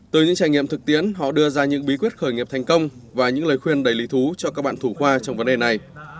từ những trải nghiệm thực tiễn họ đưa ra những bí quyết khởi nghiệp thành công và những lời khuyên đầy lý thú cho các bạn thủ khoa trong vấn đề này